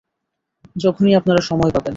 যখনই আপনারা সময় পাবেন।